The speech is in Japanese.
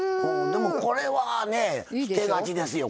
でもこれはね捨てがちですよ。